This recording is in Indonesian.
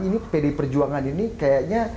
ini pdi perjuangan ini kayaknya